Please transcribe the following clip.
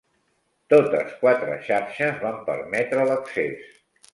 Totes quatre xarxes van permetre l'accés.